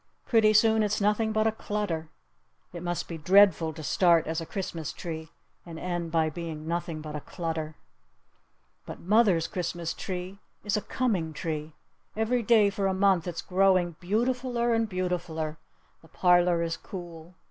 Pretty soon it's nothing but a clutter. It must be dreadful to start as a Christmas tree and end by being nothing but a clutter. But mother's Christmas tree is a coming tree. Every day for a month it's growing beautifuler and beautifuler! The parlor is cool.